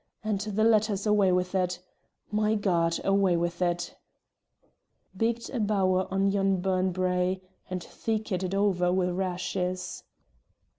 And the letter's away with it! My God! Away with it! '... Bigged a bower on yon burn brae, And theekit it o'er wi' rashes!'"